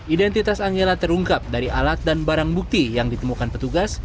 identitas angela terungkap dari alat dan barang bukti yang ditemukan petugas